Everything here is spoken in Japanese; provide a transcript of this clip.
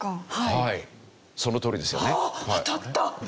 そのとおりですよね。